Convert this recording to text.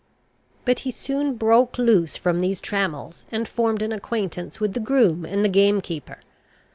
But he soon broke loose from these trammels, and formed an acquaintance with the groom and the game keeper.